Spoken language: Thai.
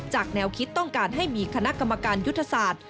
แนวคิดต้องการให้มีคณะกรรมการยุทธศาสตร์